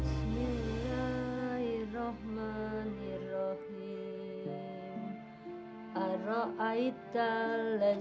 hei berisik saya mau tidur